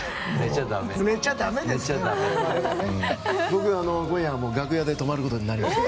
僕、今夜は楽屋で泊まることになります。